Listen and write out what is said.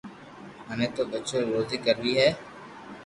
مني تو ٻچو ري روزي ڪروي ھي